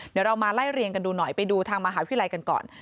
เดี๋ยวเรามาไล่เรียงกันดูหน่อยไปดูทางมหาวิทยาลัยกันก่อน